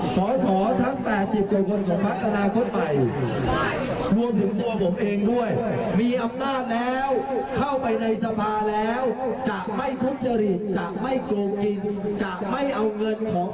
จะไม่เอาเงินของภาษีประชาชนมาใช้เพื่อประโยชน์ของพวกเราเอง